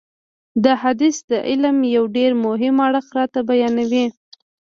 دا حدیث د علم یو ډېر مهم اړخ راته بیانوي.